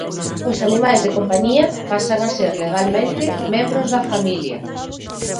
Os animais de compañía pasan a ser legalmente membros da familia.